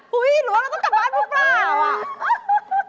หรือว่าเราก็กลับบ้านถูกกว่าหรือเปล่า